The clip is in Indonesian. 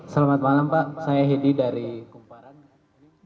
selamat malam pak saya hedi dari kumparan